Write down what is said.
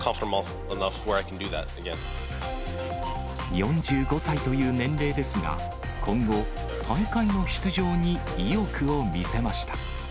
４５歳という年齢ですが、今後、大会の出場に意欲を見せました。